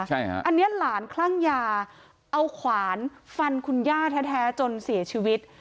อันนี้หลานคลั่งยาเอาขวานฟันคุณย่าแท้จนเสียชีวิต